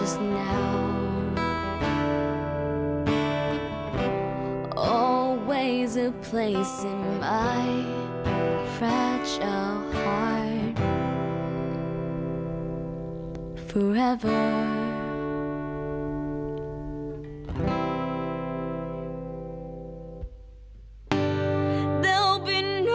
สวัสดีครับ